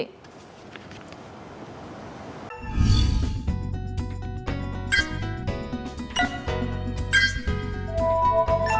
cảm ơn các bạn đã theo dõi